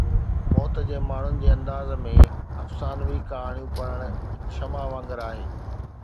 موت جي ماڻهن جي انداز ۾، افسانوي ڪهاڻيون پڙهڻ هڪ شمع وانگر آهي